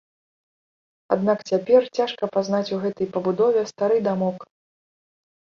Аднак цяпер цяжка пазнаць у гэтай пабудове стары дамок.